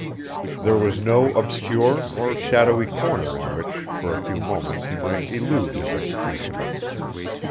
There was no obscure or shadowy corner in which for a few moments he might elude his executioner.